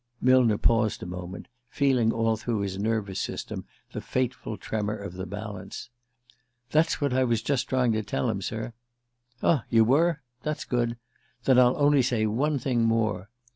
Millner paused a moment, feeling all through his nervous system the fateful tremor of the balance. "That's what I was just trying to tell him, sir " "Ah; you were? That's good. Then I'll only say one thing more.